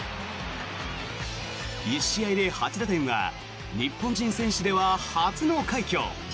１試合で８打点は日本人選手では初の快挙。